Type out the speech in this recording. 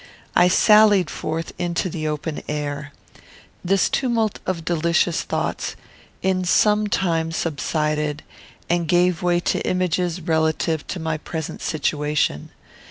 I sallied forth into the open air. This tumult of delicious thoughts in some time subsided, and gave way to images relative to my present situation.